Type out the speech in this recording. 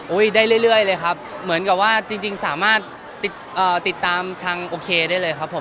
ได้เรื่อยเลยครับเหมือนกับว่าจริงสามารถติดตามทางโอเคได้เลยครับผม